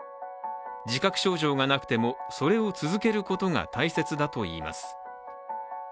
自覚症状がなくてもそれを続けることが大切だといいます。